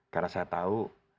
karena saya tahu